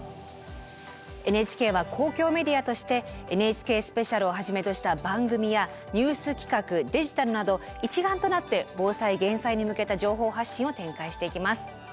ＮＨＫは公共メディアとして「ＮＨＫスペシャル」をはじめとした番組やニュース企画デジタルなど一丸となって防災・減災に向けた情報発信を展開していきます。